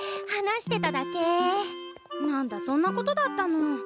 何だそんなことだったの。